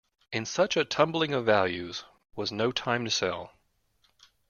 In such a tumbling of values was no time to sell.